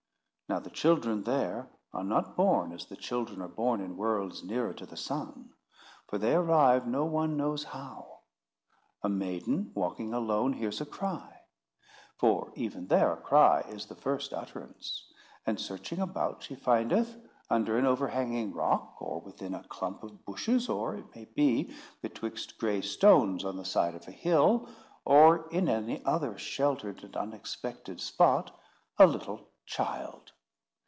Now the children, there, are not born as the children are born in worlds nearer to the sun. For they arrive no one knows how. A maiden, walking alone, hears a cry: for even there a cry is the first utterance; and searching about, she findeth, under an overhanging rock, or within a clump of bushes, or, it may be, betwixt gray stones on the side of a hill, or in any other sheltered and unexpected spot, a little child.